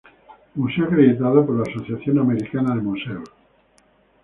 Museo acreditado por la Asociación Americana de Museos.